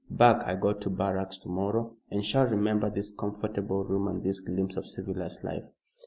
Back I go to barracks to morrow and shall remember this comfortable room and this glimpse of civilized life."